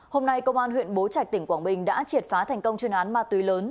hôm nay công an huyện bố trạch tỉnh quảng bình đã triệt phá thành công chuyên án ma túy lớn